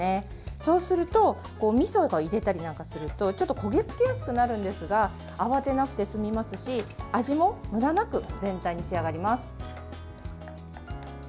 そうするとみそを入れたりすると、ちょっと焦げ付きやすくなるんですが慌てなくて済みますし味もムラなく全体に仕上がります。